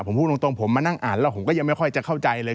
ผมพูดตรงผมมานั่งอ่านแล้วผมก็ยังไม่ค่อยจะเข้าใจเลย